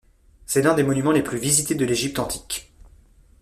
C'est l'un des monuments les plus visités de l'Égypte antique.